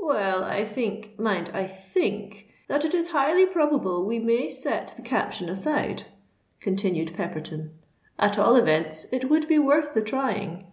"Well—I think—mind, I think that it is highly probable we may set the caption aside," continued Pepperton. "At all events it would be worth the trying.